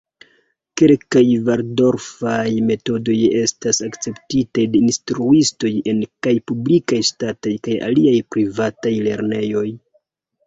Kelkaj valdorfaj metodoj estas akceptitaj de instruistoj en kaj publikaj-ŝtataj kaj aliaj privataj lernejoj.